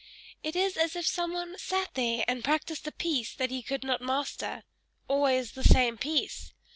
"It is as if some one sat there, and practised a piece that he could not master always the same piece.